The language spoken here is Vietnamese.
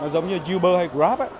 giống như uber hay grab